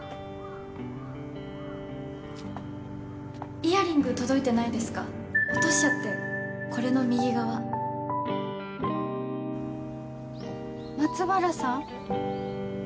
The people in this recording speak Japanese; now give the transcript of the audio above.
イヤリング届いてないですか落としちゃってこれの右側松原さん？